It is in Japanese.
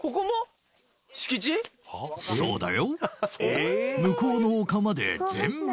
そうだよ。